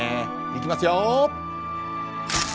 いきますよ。